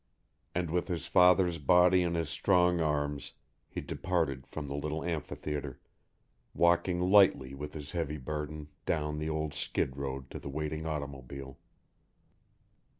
And with his father's body in his strong arms he departed from the little amphitheatre, walking lightly with his heavy burden down the old skid road to the waiting automobile.